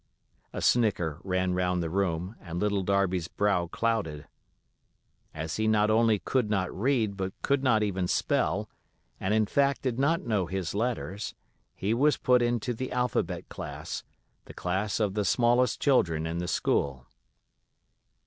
A snicker ran round the room, and little Darby's brow clouded. As he not only could not read, but could not even spell, and in fact did not know his letters, he was put into the alphabet class, the class of the smallest children in the school.